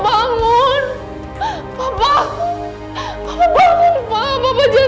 jangan kumprah imagining keberhasilan